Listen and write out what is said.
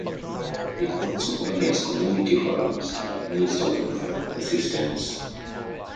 They also organise community forums and administer welfare assistance.